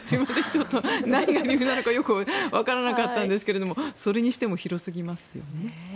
ちょっと何が理由なのかわからなかったんですがそれにしても広すぎますよね。